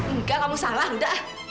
enggak kamu salah udah